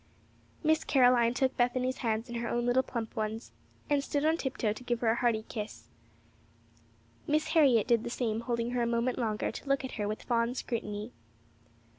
Miss Caroline took Bethany's hands in her own little plump ones, and stood on tiptoe to give her a hearty kiss. Miss Harriet did the same, holding her a moment longer to look at her with fond scrutiny.